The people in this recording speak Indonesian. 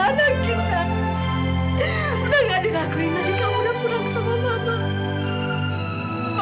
udah gak dikakui lagi kamu udah pulang sama mama